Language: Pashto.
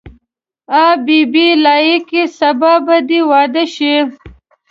آ بي بي لایقې سبا به دې واده شي.